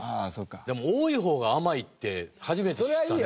でも多い方が甘いって初めて知ったね。